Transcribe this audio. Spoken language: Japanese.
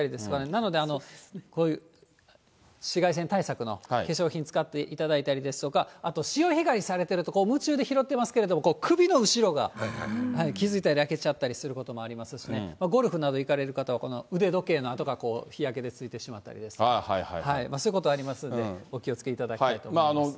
なので、こういう紫外線対策の化粧品使っていただいたりですとか、あと、潮干狩りされてると、夢中で拾ってますけれども、首の後ろが気付いたら焼けちゃったりすることがありますしね、ゴルフなど行かれる方は、腕時計の跡が日焼けでついてしまったりですとか、そういうことありますので、お気をつけいただきたいと思います。